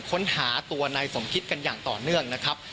ค้นหาตัวนายสมคิดกันอย่างต่อเนื่องนะครับ